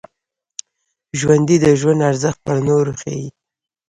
ژوندي د ژوند ارزښت پر نورو ښيي